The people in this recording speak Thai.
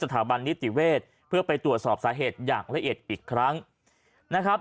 สถาบันนิติเวศเพื่อไปตรวจสอบสาเหตุอย่างละเอียดอีกครั้งนะครับ